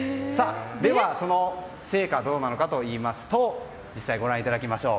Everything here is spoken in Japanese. では、その成果どうなのかといいますと実際ご覧いただきましょう。